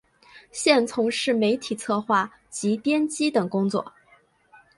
现从事媒体策划及编辑等工作。